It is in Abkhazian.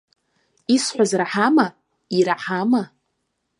Исҳәаз раҳама, ираҳама?